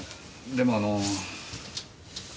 でもあの。